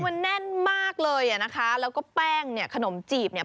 มันแน่นมากเลยแล้วก็แป้งขนมจีบเนี่ย